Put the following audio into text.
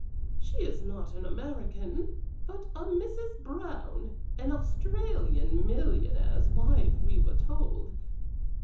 "She is not an American, but a Mrs. Brown, an Australian millionaire's wife, we were told.